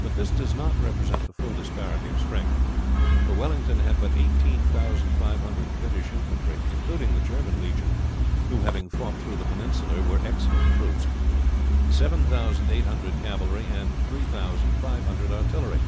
But this does not represent the full disparity of strength, for Wellington had but eighteen thousand five hundred British infantry including the German legion who having fought through the Peninsular were excellent troops seven thousand eight hundred cavalry and three thousand five hundred artillery.